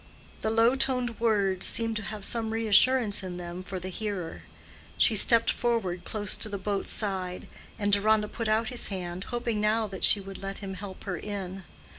The low toned words seemed to have some reassurance in them for the hearer: she stepped forward close to the boat's side, and Deronda put out his hand, hoping now that she would let him help her in.